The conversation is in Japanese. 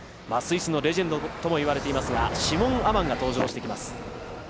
スイスのレジェンドとも言われていますがシモン・アマンが登場してきます。